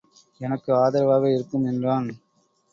எனக்கு ஆதரவாக இருக்கும் என்றான்.